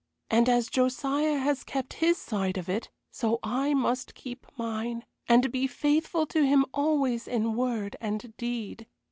And as Josiah has kept his side of it, so I must keep mine, and be faithful to him always in word and deed.